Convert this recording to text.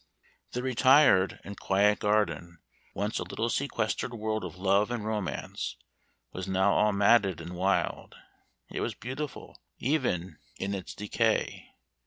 The retired and quiet garden, once a little sequestered world of love and romance, was now all matted and wild, yet was beautiful, even in its decay.